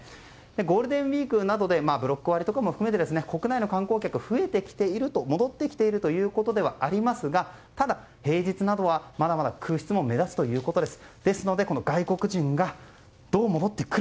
ゴールデンウィークなどでブロック割とかも含めて国内の観光客は戻ってきているということではありますがただ、平日などはまだまだ空室も目立つそうです。